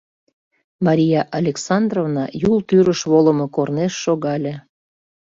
Мария Александровна Юл тӱрыш волымо корнеш шогале.